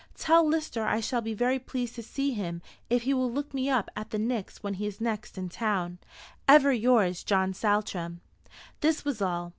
Tell Lister I shall be very pleased to see him if he will look me up at the Pnyx when he is next in town. "Ever yours, JOHN SALTRAM." This was all.